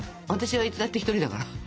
私はいつだって一人だから。